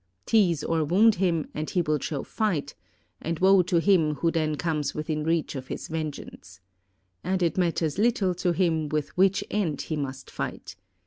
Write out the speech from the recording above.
Tease or wound him, and he will show fight, and woe to him who then comes within reach of his vengeance. And it matters little to him with which end he must fight.